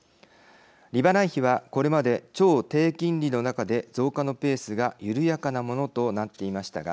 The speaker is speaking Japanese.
利払い費はこれまで超低金利の中で増加のペースが緩やかなものとなっていましたが